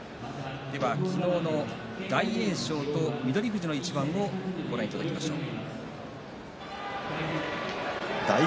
では昨日の大栄翔と翠富士の一番をご覧いただきましょう。